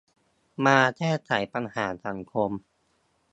มาแก้ไขปัญหาสังคม